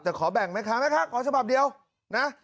จะขอแบ่งไหมคะขอฉบับเดียวนะ